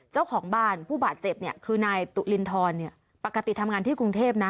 เจ้าของบ้านผู้บาดเจ็บเนี่ยคือนายตุลินทรปกติทำงานที่กรุงเทพนะ